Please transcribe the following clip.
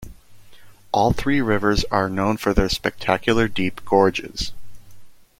All three rivers are known for their spectacular deep gorges.